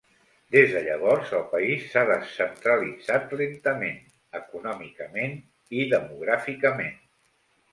Des de llavors, el país s'ha descentralitzat lentament, econòmicament i demogràficament.